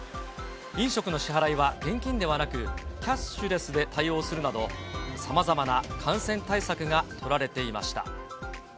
飲食の支払いは現金ではなく、キャッシュレスで対応するなど、さまざまな感染対策が取られていました。